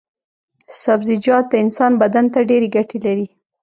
سبزيجات د انسان بدن ته ډېرې ګټې لري.